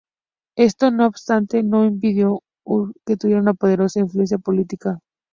Esto no obstante, no impidió que Hürrem tuviera una “poderosa influencia política„.